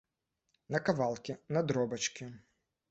На кавалкі, на драбочкі.